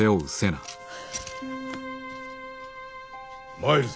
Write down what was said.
参るぞ。